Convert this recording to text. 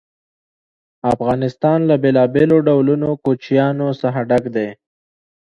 افغانستان له بېلابېلو ډولونو کوچیانو څخه ډک دی.